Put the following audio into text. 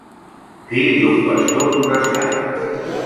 Fill d'un pastor protestant.